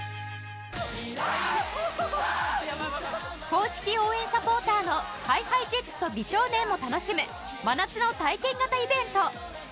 公式応援サポーターの ＨｉＨｉＪｅｔｓ と美少年も楽しむ真夏の体験型イベント